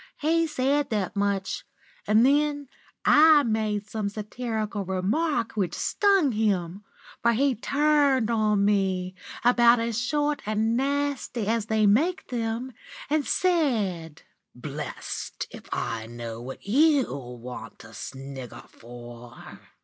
"He said that much, and then I made some satirical remark which stung him, for he turned on me, about as short and nasty as they make 'em, and said: "'Blest if I know what you want to snigger for!